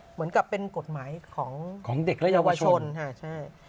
เหมือนกับเป็นกฎหมายของเด็กและเยาวชนใช่